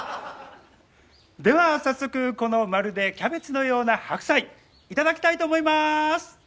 では早速この「まるでキャベツのような白菜」頂きたいと思います！